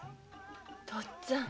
父っつぁん！